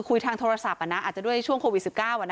คุยทางโทรศัพท์อาจจะด้วยช่วงโควิด๑๙